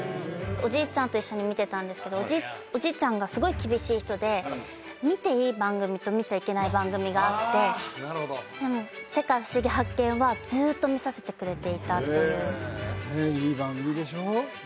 おじいちゃんと一緒に見てたんですけどおじいちゃんがすごい厳しい人で見ていい番組と見ちゃいけない番組があってでも「世界ふしぎ発見！」はずっと見させてくれていたっていうねえ